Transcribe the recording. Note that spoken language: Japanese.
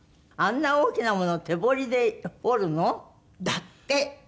あんな大きなもの手彫りで彫るの？だって。